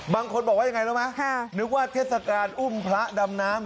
บางคนบอกว่ายังไงรู้ไหมนึกว่าเทศกาลอุ้มพระดำน้ำ